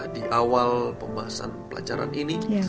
di awal pembahasan pelajaran ini